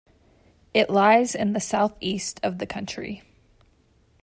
It lies in the southeast of the country.